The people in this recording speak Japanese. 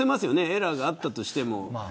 エラーがあったとしても。